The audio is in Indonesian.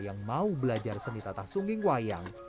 yang mau belajar seni tatah sungging wayang